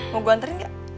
mau gue anterin gak